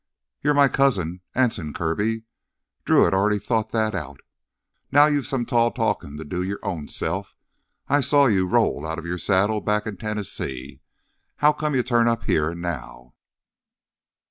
"You're my cousin—Anson Kirby." Drew had already thought that out. "Now, you've some tall talkin' to do your ownself. I saw you roll out of your saddle back in Tennessee. How come you turn up here and now?"